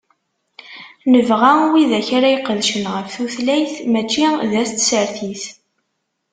Nebɣa widak ara iqedcen ɣef tutlayt, mačči d at tsertit.